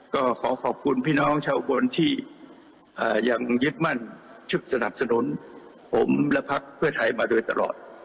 ก็ขอขอบคุณพี่น้องชาวอุบลที่ยังยึดมั่นชุดสนับสนุนผมและพักเพื่อไทยมาโดยตลอด